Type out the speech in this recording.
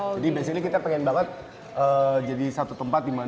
jadi basically kita pengen banget jadi satu tempat di mobile